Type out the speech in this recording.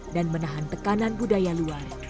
dan menahan tekanan budaya luar